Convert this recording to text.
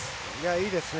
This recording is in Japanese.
いいですね。